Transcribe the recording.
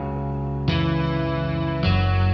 alia gak ada ajak rapat